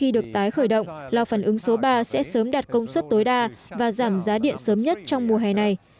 khi được tái khởi động lo phản ứng số ba sẽ sớm đạt công suất tối đa và giảm giá điện sớm nhất trong mùa hè này